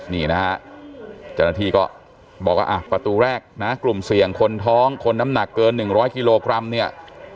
นี่นะฮะเจ้าหน้าที่ก็บอกว่าอ่ะประตูแรกนะกลุ่มเสี่ยงคนท้องคนน้ำหนักเกิน๑๐๐กิโลกรัมเนี่ย